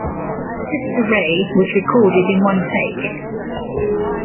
"Sister Ray" was recorded in one take.